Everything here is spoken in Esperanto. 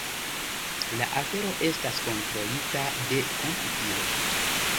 La afero estas kontrolita de komputilo.